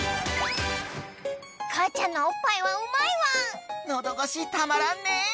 「母ちゃんのおっぱいはうまいワン」「喉越したまらんね」